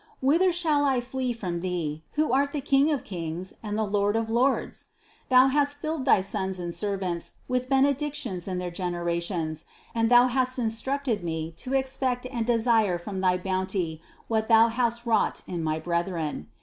Whither shall I flee from Thee, who art the King of kings and the Lord of lords ? Thou hast filled thy sons and servants with benedictions in their generations and Thou hast instructed me to expect and desire from thy bounty what Thou hast wrought in my brethren.